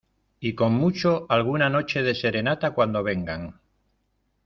y como mucho, alguna noche de serenata cuando vengan